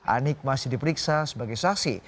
anik masih diperiksa sebagai saksi